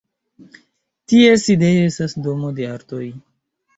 Ties sidejo estas Domo de artoj.